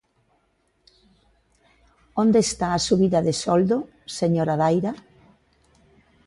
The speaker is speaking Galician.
¿Onde está a subida de soldo, señora Daira?